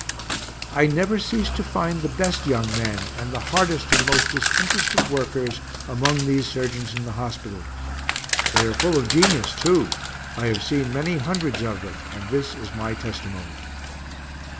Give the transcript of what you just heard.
I never ceased to find the best young men, and the hardest and most disinterested workers, among these surgeons, in the hospitals. They are full of genius, too. I have seen many hundreds of them, and this is my testimony.